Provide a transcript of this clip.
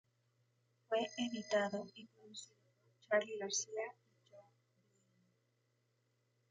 Fue editado y producido por Charly García y Joe Blaney.